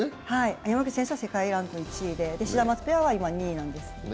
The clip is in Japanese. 山口選手は世界ランク１位でシダマツペアは今２位なんです。